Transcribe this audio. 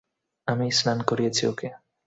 আমি স্নান করিয়েছি ওকে!